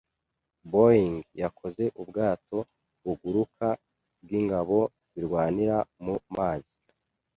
Boeing yakoze ubwato buguruka bwingabo zirwanira mu mazi.